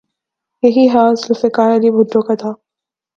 یہی حال ذوالفقار علی بھٹو کا تھا۔